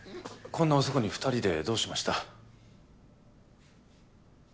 こんな遅くに２人でどうしました？